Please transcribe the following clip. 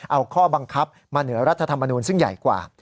เอาข้อบังคับมาเหนือรัฐธรรมนูลซึ่งใหญ่กว่า